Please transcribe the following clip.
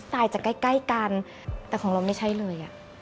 ตายจากใกล้กันแต่ของเราไม่ใช่เลย